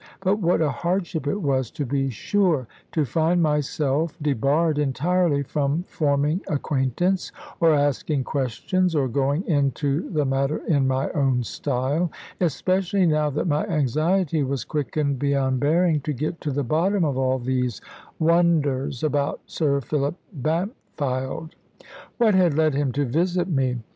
But what a hardship it was, to be sure, to find myself debarred entirely from forming acquaintance, or asking questions, or going into the matter in my own style! especially now that my anxiety was quickened beyond bearing to get to the bottom of all these wonders about Sir Philip Bampfylde. What had led him to visit me?